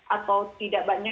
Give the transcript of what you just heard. atau tidak banyak menilai